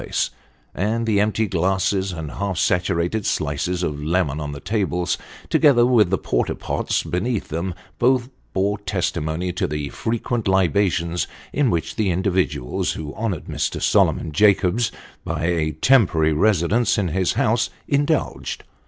place ; and the empty glasses and half saturated slices of lemon on the tables, together with the porter pots beneath them, bore testimony to the frequent libations in which the individuals who honoured Mr. Solomon Jacobs by a temporary residence in his house indulged.